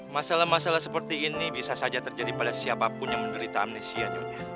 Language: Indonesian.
masalah masalah seperti ini bisa saja terjadi pada siapapun yang menderita amnesia